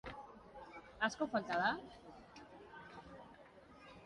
Asko falta da?